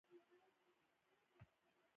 سپارښتنې څنډې ته پورې ووهل شوې.